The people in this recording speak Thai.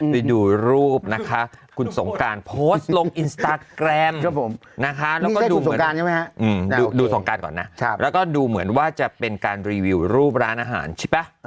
ไปดูรูปนะคะคุณสงการโพสต์ลงอินสตาร์แกรมนะคะแล้วก็ดูเหมือนว่าจะเป็นการรีวิวรูปร้านอาหารใช่ปะ